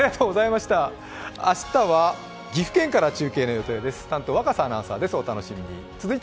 明日は岐阜県から中継の予定です。